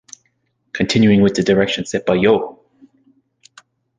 Continuing with the direction set by Yo!